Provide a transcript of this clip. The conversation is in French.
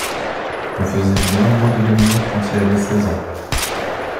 On faisait bien moins de manières quand il avait seize ans.